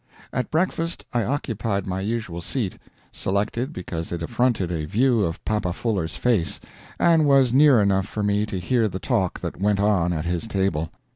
At breakfast I occupied my usual seat selected because it afforded a view of papa Fuller's face, and was near enough for me to hear the talk that went on at his table.